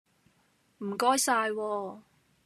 唔該晒喎